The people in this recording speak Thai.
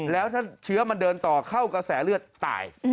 แล้วถ้าเชื้อมันเดินต่อเข้ากระแสเลือดตาย